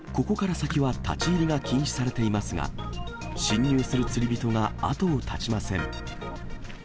先は立ち入りが禁止されていますが、侵入する釣り人が後を絶ちません。